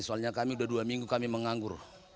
soalnya kami sudah dua minggu kami menganggur